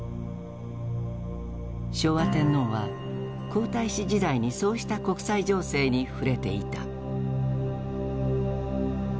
昭和天皇は皇太子時代にそうした国際情勢に触れていた。